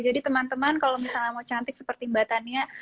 jadi teman teman kalau misalnya mau cantik seperti mbak tania